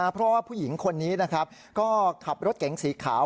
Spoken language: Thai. เพราะว่าผู้หญิงคนนี้นะครับก็ขับรถเก๋งสีขาว